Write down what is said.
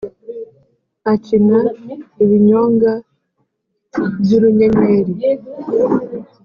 akina ibinyonga by’ urunyenyeri